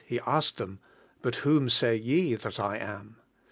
He asked them, "But whom say ye that I am?"